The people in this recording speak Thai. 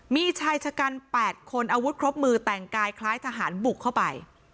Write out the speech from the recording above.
มีชายชะกัน๘คนอาวุธครบมือแต่งกายคล้ายทหารบุกเข้าไป